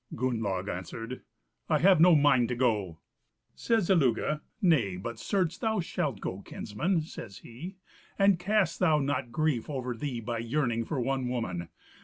Gunnlaug answered, "I have no mind to go." Says Illugi, "Nay, but certes thou shalt go, kinsman," says he; "and cast thou not grief over thee by yearning for one woman.